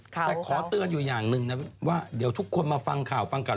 แต่ขอเตือนอยู่อย่างหนึ่งนะว่าเดี๋ยวทุกคนมาฟังข่าวฟังกัน